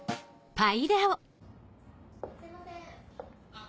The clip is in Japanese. ・すいません・・あっ